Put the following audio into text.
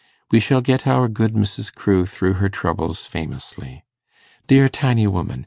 We shall get our good Mrs. Crewe through her troubles famously. Dear tiny woman!